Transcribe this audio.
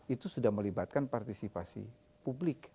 itu sudah melibatkan partisipasi publik